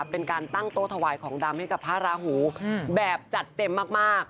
เป็นการตั้งโต๊ะถวายของดำให้กับพระราหูแบบจัดเต็มมาก